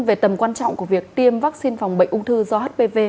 về tầm quan trọng của việc tiêm vaccine phòng bệnh ung thư do hpv